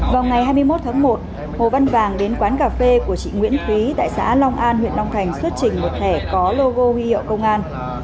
vào ngày hai mươi một tháng một hồ văn vàng đến quán cà phê của chị nguyễn thúy tại xã long an huyện long thành xuất trình một thẻ có logo huy hiệu công an